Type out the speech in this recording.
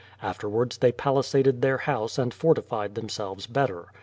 Afterwards they palisaded their house and fortified them selves better.